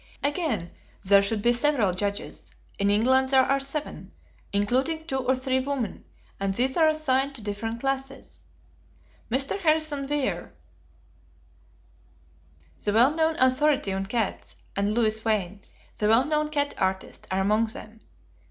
Again, there should be several judges. In England there are seven, including two or three women, and these are assigned to different classes: Mr. Harrison Weir, F.R.H.S., the well known authority on cats, and Louis Wain, the well known cat artist, are among them.